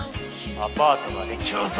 アパートまで競走！